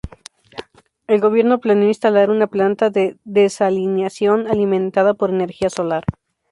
El gobierno planeó instalar una planta de desalinización alimentada por energía solar.